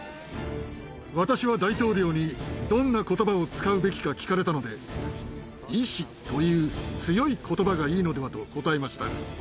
私は大統領に、どんなことばを使うべきか聞かれたので、意志という強いことばがいいのではと答えました。